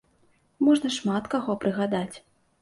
Можна шмат каго прыгадаць.